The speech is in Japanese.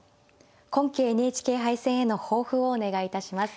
今期ＮＨＫ杯戦への抱負をお願いいたします。